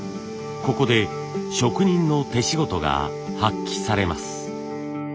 ここで職人の手仕事が発揮されます。